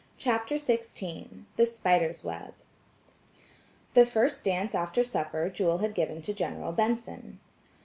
CHAPTER XVITHE SPIDER'S WEB The first dance after supper Jewel had given to General Benson.